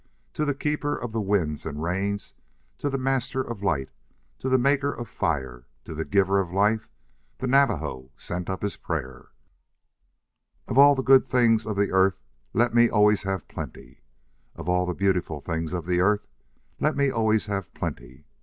To the keeper of the winds and rains, to the master of light, to the maker of fire, to the giver of life the Navajo sent up his prayer: Of all the good things of the Earth let me always have plenty. Of all the beautiful things of the Earth let me always have plenty.